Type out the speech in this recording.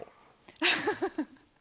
ハハハハ。